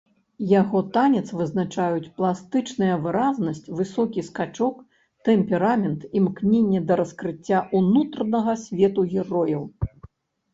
Яго танец вызначаюць пластычная выразнасць, высокі скачок, тэмперамент, імкненне да раскрыцця ўнутранага свету герояў.